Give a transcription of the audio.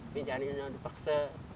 yang di jalan jalan itu dipaksa